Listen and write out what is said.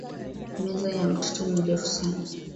Meza ya mtoto ni refu sana